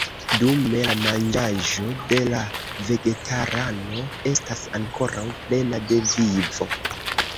Dume la manĝaĵo de la vegetarano estas ankoraŭ plena de vivo.